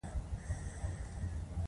ایا زه باید مڼه وخورم؟